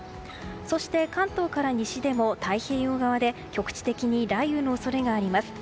そして関東から西でも太平洋側で局地的に雷雨の恐れがあります。